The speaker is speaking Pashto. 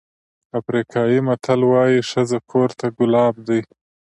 افریقایي متل وایي ښځه کور ته ګلاب دی.